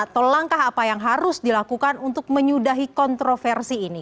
tolangkah apa yang harus dilakukan untuk menyudahi kontroversi ini